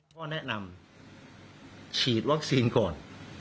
ก็แนะนำฉีดวัคซีนก่อน